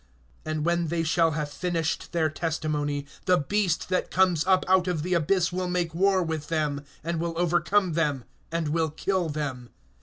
(7)And when they shall have finished their testimony, the beast that comes up out of the abyss will make war with them, and will overcome them, and will kill them.